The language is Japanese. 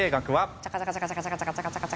チャカチャカチャカチャカ。